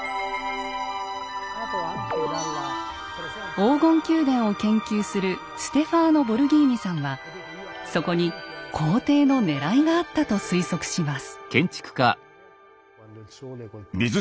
黄金宮殿を研究するステファーノ・ボルギーニさんはそこに皇帝のねらいがあったと推測します。